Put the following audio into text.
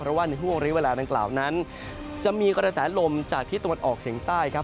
เพราะว่าในห่วงเรียกเวลาดังกล่าวนั้นจะมีกระแสลมจากที่ตะวันออกเฉียงใต้ครับ